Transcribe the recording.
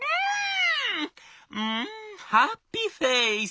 「うんハッピーフェース！